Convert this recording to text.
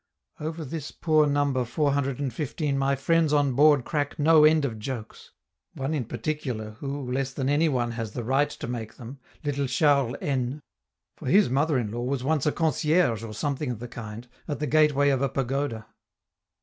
Over this poor Number 415 my friends on board crack no end of jokes one in particular, who, less than any one has the right to make them, little Charles N , for his mother in law was once a concierge, or something of the kind, at the gateway of a pagoda.